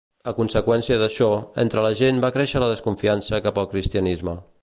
A conseqüència d'això, entre la gent va créixer la desconfiança cap al Cristianisme.